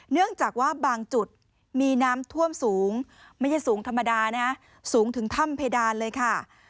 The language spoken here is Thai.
เนื่องจากว่าบางจุดมีน้ำท่วมสูงไม่ใช่สูงธรรมดานะสูงถึงถ้ำเพดานเลยค่ะ